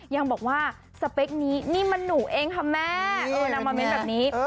ยังบอกว่าสเปคนี้นี่มันหนูเองค่ะแม่นางมาเมนต์แบบนี้